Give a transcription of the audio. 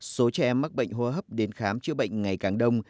số trẻ em mắc bệnh hô hấp đến khám chữa bệnh ngày càng đông